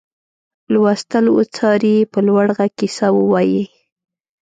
لوستل وڅاري په لوړ غږ کیسه ووايي.